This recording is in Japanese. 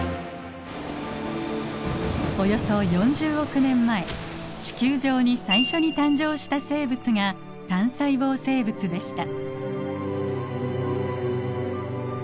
およそ４０億年前地球上に最初に誕生した生物が単細胞生物でした。